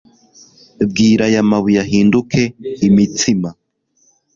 Bwira aya mabuye ahinduke imitsima.